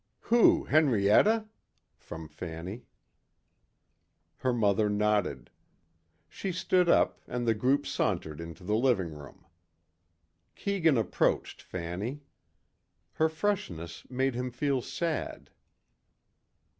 "Who, Henrietta?" from Fanny. Her mother nodded. She stood up and the group sauntered into the living room. Keegan approached Fanny. Her freshness made him feel sad.